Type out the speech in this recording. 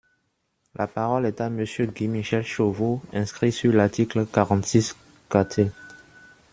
La parole est à Monsieur Guy-Michel Chauveau, inscrit sur l’article quarante-six quater.